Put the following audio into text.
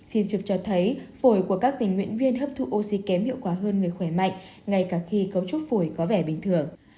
phim trực cho thấy phổi của các tình nguyện viên hấp thụ oxy kém hiệu quả hơn người khỏe mạnh ngay cả khi cấu trúc phổi có vẻ bình thường